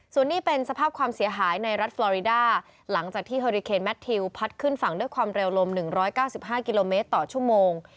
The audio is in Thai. ส่วนนี้เป็นสภาพความเสียหายในรัฐฟอริดาหลังจากที่เฮอริเคนแมททิวพัดขึ้นฝั่งด้วยความเร็วลม๑๙๕กิโลเมตรต่อชั่วโมง